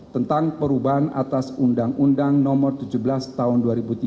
tentang perubahan atas undang undang nomor tujuh belas tahun dua ribu tiga belas